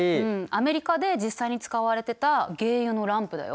アメリカで実際に使われてた鯨油のランプだよ。